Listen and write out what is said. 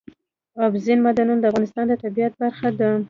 اوبزین معدنونه د افغانستان د طبیعت برخه ده.